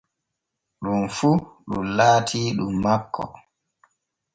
Ɗum fu ɗum laatii ɗum makko.